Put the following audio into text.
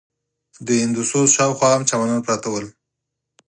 د هندوسوز شاوخوا هم چمنان پراته ول.